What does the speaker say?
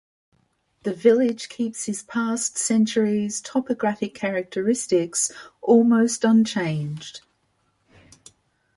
The village keeps his past centuries’ topographic characteristics almost unchanged.